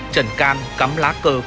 trần can cắm lá cơ quyết chiến